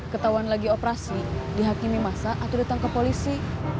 ketauan lagi operasi dihakimi masa atau datang ke polisi